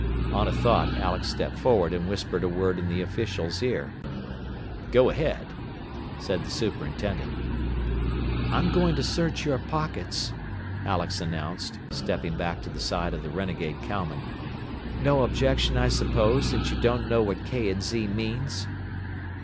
On a thought Alex stepped forward and whispered a word in the official's ear. "Go ahead," said the superintendent. "I'm going to search your pockets," Alex announced, stepping back to the side of the renegade cowman. "No objection, I suppose, since you don't know what K. & Z. means?"